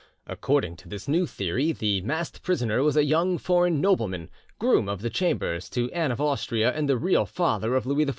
According to this new theory, the masked prisoner was a young foreign nobleman, groom of the chambers to Anne of Austria, and the real father of Louis XIV.